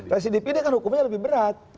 residivis itu hukumnya lebih berat